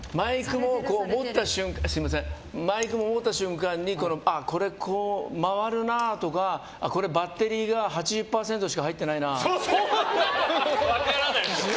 マイクも持った瞬間にこれこう回るなとかバッテリーが８０％しか入ってないなとか。